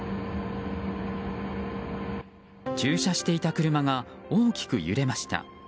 駐車していた車が大きく揺れました。